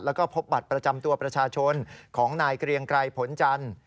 แล้วก็พบบัตรประจำตัวประชาชนของนายเกรียงไกรผลจันทร์